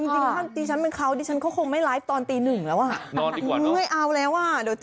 จริงถ้าดิฉันเป็นเขาดิฉันเขาคงไม่ไลฟ์ตอนตีหนึ่งแล้วอ่ะ